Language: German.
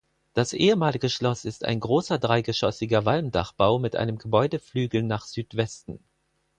Das ehemalige Schloss ist ein großer dreigeschossiger Walmdachbau mit einem Gebäudeflügel nach Südwesten.